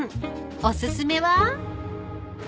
［お薦めは］